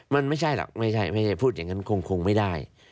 มันไม่ใช่หรอกไม่ใช่ไม่ใช่พูดอย่างนั้นคงไม่ได้